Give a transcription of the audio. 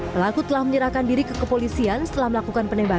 pelaku telah menyerahkan diri ke kepolisian setelah melakukan penembakan